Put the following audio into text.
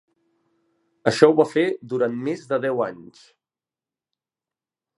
Això ho va fer durant més de deu anys.